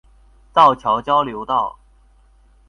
造橋交流道